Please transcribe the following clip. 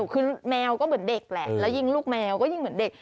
คือแมวก็เหมือนเด็กแหละแล้วยิ่งลูกแมวก็ยิ่งเหมือนเด็ก